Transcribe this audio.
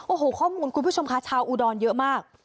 โอ้โหข้อมูลคุณผู้ชมค่ะชาวอุดรเยอะมาก